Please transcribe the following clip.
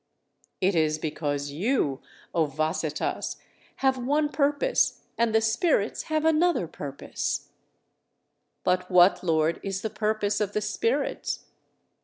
"It is because you, O Vasetthas, have one purpose, and the spirits have another purpose." "But what, Lord, is the purpose of the spirits?"